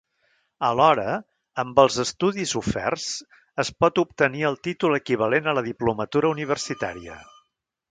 Alhora, amb els estudis oferts, es pot obtenir el títol equivalent a la diplomatura universitària.